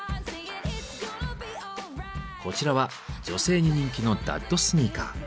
こちらは女性に人気の「ダッドスニーカー」。